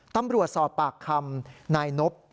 ตำรวจสอบปากคำนายนบ